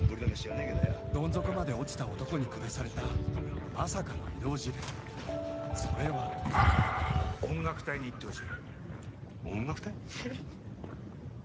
どん底まで落ちた男に下されたまさかの異動辞令それは音楽隊にいってほしい音楽隊？